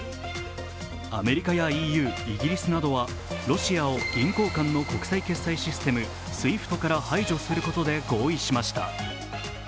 アメリカやＥＵ、イギリスなどはロシアを銀行間の国際決済システムＳＷＩＦＴから排除することで合意しました。